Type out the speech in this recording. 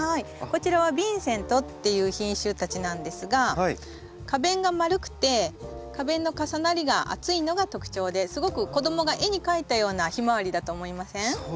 こちらはビンセントっていう品種たちなんですが花弁が丸くて花弁の重なりが厚いのが特徴ですごく子供が絵に描いたようなヒマワリだと思いません？